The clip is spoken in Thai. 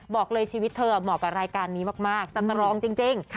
บอกเลยชีวิตเธอเหมาะกับรายการนี้มากสตรองจริง